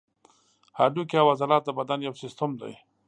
هډوکي او عضلات د بدن یو سیستم دی.